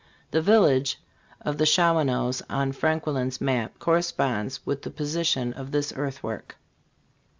The village of the Shawan oes on Franquelin's map corresponds with the position of this earthwork."